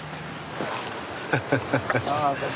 ハハハハハ！